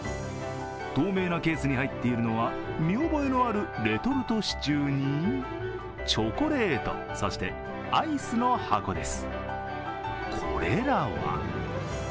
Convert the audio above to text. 透明なケースに入っているのは見覚えのあるレトルトシチューにチョコレート、そしてアイスの箱です。